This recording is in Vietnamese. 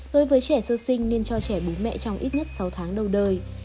đối với trẻ sơ sinh nên cho trẻ bố mẹ trong ít nhất sáu tháng đầu đời